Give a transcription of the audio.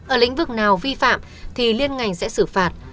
ở lĩnh vực nào vi phạm thì liên ngành sẽ xử phạt